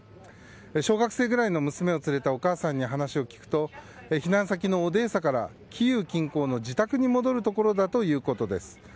小学生ぐらいの娘を連れたお母さんに話を聞くと避難先のオデーサからキーウ近郊の自宅に戻るところだということです。